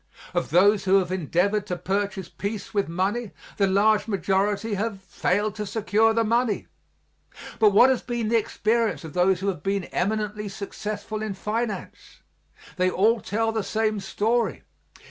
Of those who have endeavored to purchase peace with money, the large majority have failed to secure the money. But what has been the experience of those who have been eminently successful in finance? They all tell the same story, viz.